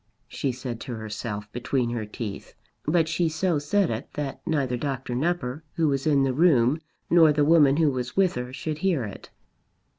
she said to herself between her teeth; but she so said it that neither Dr. Nupper, who was in the room, nor the woman who was with her should hear it.